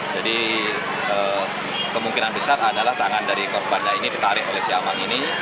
jadi kemungkinan besar adalah tangan dari korban ini dikarek oleh siamang ini